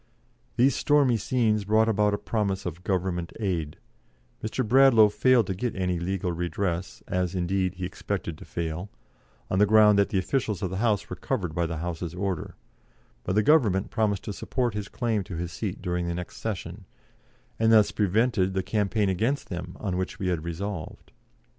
These stormy scenes brought about a promise of Government aid; Mr. Bradlaugh failed to get any legal redress, as, indeed, he expected to fail, on the ground that the officials of the House were covered by the House's order, but the Government promised to support his claim to his seat during the next session, and thus prevented the campaign against them on which we had resolved.